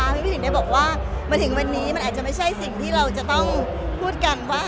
พี่ผู้หญิงได้บอกว่ามาถึงวันนี้มันอาจจะไม่ใช่สิ่งที่เราจะต้องพูดกันว่า